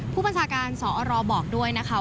ผู้บัญชาการสอรบอกด้วยนะคะ